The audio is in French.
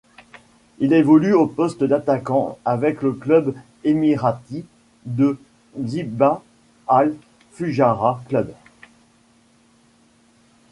Il évolue au poste d'attaquant avec le club émirati de l'Dibba Al-Fujairah Club.